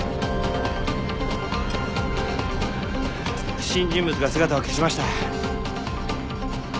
不審人物が姿を消しました。